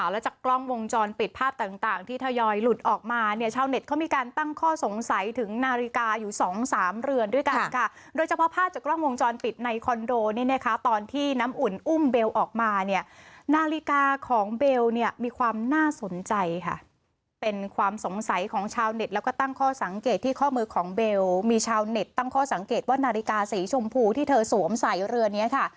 แล้วจากกล้องวงจรปิดภาพต่างที่ถยอยหลุดออกมาเนี่ยชาวเน็ตเขามีการตั้งข้อสงสัยถึงนาฬิกาอยู่๒๓เรือนด้วยกันค่ะโดยเฉพาะภาพจากกล้องวงจรปิดในคอนโดนี่นะคะตอนที่น้ำอุ่นอุ้มเบลล์ออกมาเนี่ยนาฬิกาของเบลล์เนี่ยมีความน่าสนใจค่ะเป็นความสงสัยของชาวเน็ตแล้วก็ตั้งข้อสังเกต